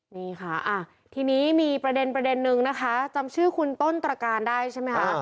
นี่ค่ะทีนี้มีประเด็นนึงนะคะจำชื่อคุณต้นตรการได้ใช่ไหมคะ